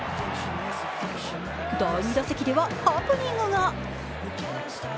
第２打席ではハプニングが。